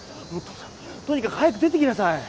とにかく早く出ていきなさい